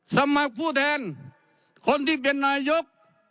สมัครผู้แทนคนที่เป็นนายก